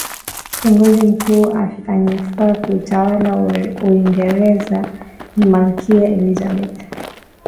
kiongozi mkuu anyefaa kuitawala uingereza ni malkia elizabeth